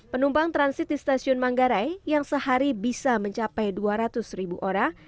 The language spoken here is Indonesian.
penumpang transit di stasiun manggarai yang sehari bisa mencapai dua ratus ribu orang